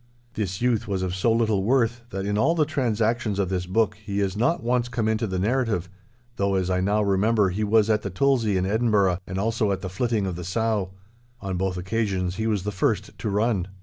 This youth was of so little worth, that in all the transactions of this book he has not once come into the narrative—though as I now remember he was at the tulzie in Edinburgh, and also at the flitting of the sow. On both occasions he was the first to run.